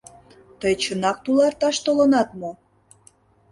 — Тый чынак туларташ толынат мо?